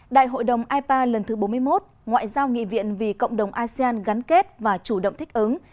đại hội đồng ipa lần thứ bốn mươi một ngoại giao nghị viện vì cộng đồng asean gắn kết và chủ động thích ứng